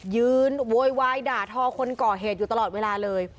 โวยวายด่าทอคนก่อเหตุอยู่ตลอดเวลาเลย